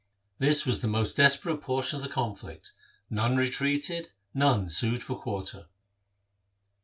This was the most desperate por tion of the conflict. None retreated, none sued for quarter.